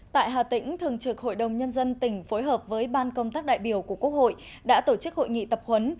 tại hà tĩnh thường trực hội đồng nhân dân tỉnh phối hợp với ban công tác đại biểu của quốc hội đã tổ chức hội nghị tập huấn